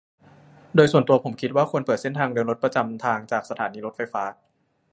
โดยส่วนตัวผมคิดว่าควรเปิดเส้นทางเดินรถประจำทางจากสถานีรถไฟฟ้า